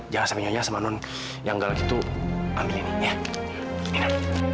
jangan sampai nyonya sama non yang gak lagi tuh ambil ini ya